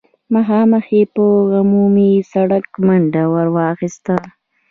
مخامخ يې پر عمومي سړک منډه ور واخيسته.